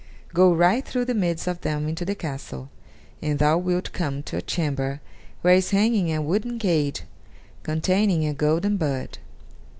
Go right through the midst of them into the castle, and thou wilt come to a chamber where is hanging a wooden cage containing a golden bird.